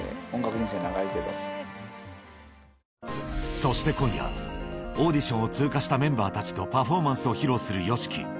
そして今夜オーディションを通過したメンバーたちとパフォーマンスを披露するＹＯＳＨＩＫＩ